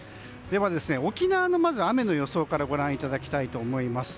では、沖縄の雨の予想からご覧いただきます。